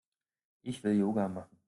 Ich will Yoga machen.